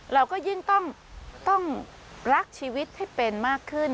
เราก็ยิ่งต้องรักชีวิตให้เป็นมากขึ้น